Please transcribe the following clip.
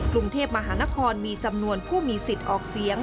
กรุงเทพมหานครมีจำนวนผู้มีสิทธิ์ออกเสียง